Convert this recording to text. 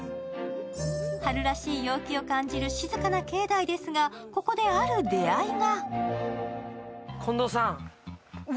春らしい陽気を感じる静かな境内ですが、ここで、ある出会いが。